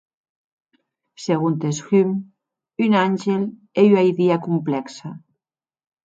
Segontes Hume, un àngel ei ua idia complèxa.